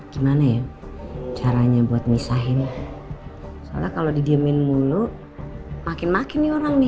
gimana ya caranya buat misahin soalnya kalau didiemin mulu makin makin nih orang nih